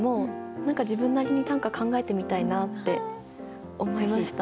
何か自分なりに短歌考えてみたいなって思いました。